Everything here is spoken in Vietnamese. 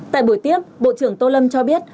tại buổi tiết bộ trưởng tô lâm cho biết